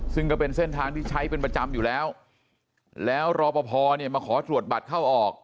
ซึ่งก็เป็นเส้นทางที่ใช้เป็นประจำอยู่แล้วแล้วรอปภเนี่ยมาขอตรวจบัตรเข้าออก